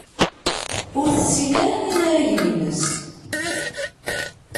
Ur tessin ara inaragen-nnes.